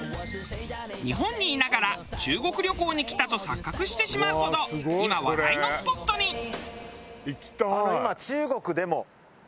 日本にいながら中国旅行に来たと錯覚してしまうほど今話題のスポットに。